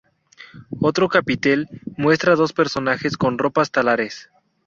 Otro capitel muestra dos personajes con ropas talares.